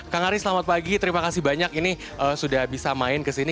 kang ari selamat pagi terima kasih banyak ini sudah bisa main kesini